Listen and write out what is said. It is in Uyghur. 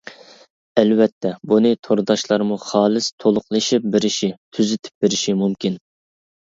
ئەلۋەتتە، بۇنى تورداشلارمۇ خالىس تولۇقلىشىپ بېرىشى، تۈزىتىپ بېرىشى مۇمكىن.